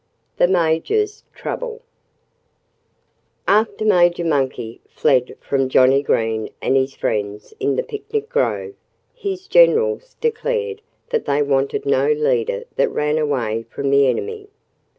XVI The Major's Trouble After Major Monkey fled from Johnnie Green and his friends in the picnic grove, his generals declared that they wanted no leader that ran away from the enemy.